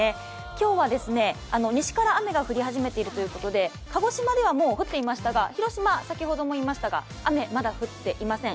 今日は西から雨が降り始めているということで鹿児島ではもう降っていましたが広島、雨はまだ降っていません。